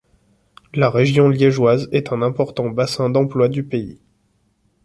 La région liègeoise est un important bassin d’emploi du pays.